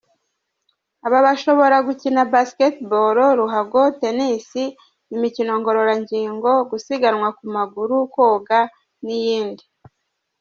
Aba bashobora gukina Basketball, ruhago, tennis, imikino ngororangingo, gusiganwa ku maguru, koga, n’iyindi.